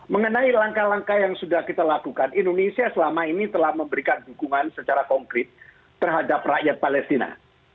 mengenai langkah langkah yang sudah kita lakukan indonesia selama ini telah memberikan dukungan secara konkret terhadap rakyat palestina